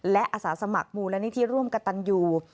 และอาสาสมัครมูลนิธิร่วมกับตันยู